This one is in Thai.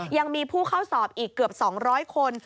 ยังมีผู้เข้าสอบอีกเกือบ๒๐๐คน